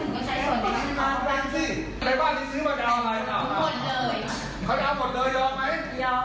ในบ้านนี้ซื้อมากออกหมดเลย